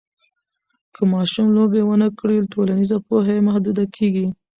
که ماشوم لوبې ونه کړي، ټولنیزه پوهه یې محدوده کېږي.